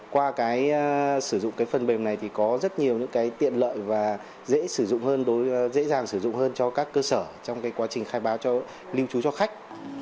qua sử dụng phần mềm này thì có rất nhiều tiện lợi và dễ dàng sử dụng hơn cho các cơ sở trong quá trình khai báo lưu trú cho khách